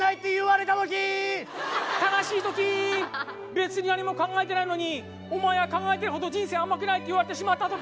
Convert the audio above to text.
別に何も考えてないのにお前が考えてるほど人生甘くないって言われてしまった時。